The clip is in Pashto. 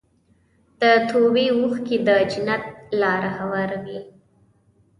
د توبې اوښکې د جنت لاره هواروي.